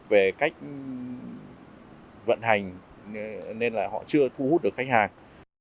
vận hành nên là họ chưa thu hút được khách hàng